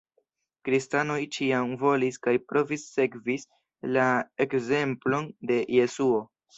Kristanoj ĉiam volis kaj provis sekvis la ekzemplon de Jesuo.